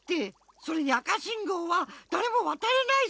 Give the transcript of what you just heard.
それに赤しんごうはだれもわたれないし！